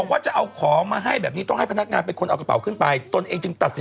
หรือไม่ก็ต้องโทรศัพท์ขึ้นไปถามมั้งเนอะ